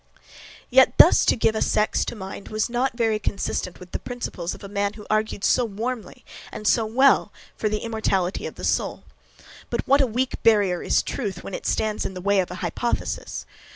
Yet thus to give a sex to mind was not very consistent with the principles of a man who argued so warmly, and so well, for the immortality of the soul. But what a weak barrier is truth when it stands in the way of an hypothesis!